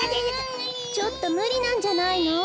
ちょっとむりなんじゃないの。